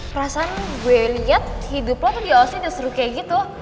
perasaan gue liat hidup lo tuh di oc udah seru kayak gitu